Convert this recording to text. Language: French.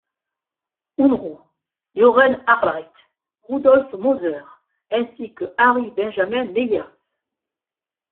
Unruh, Jochen Arbeit, Rudolph Moser ainsi que Ari Benjamin Meyers.